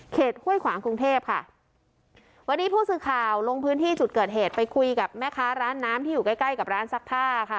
ห้วยขวางกรุงเทพค่ะวันนี้ผู้สื่อข่าวลงพื้นที่จุดเกิดเหตุไปคุยกับแม่ค้าร้านน้ำที่อยู่ใกล้ใกล้กับร้านซักผ้าค่ะ